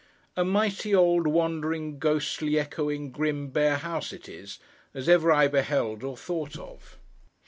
A mighty old, wandering, ghostly, echoing, grim, bare house it is, as ever I beheld or thought of.